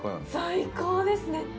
最高ですね。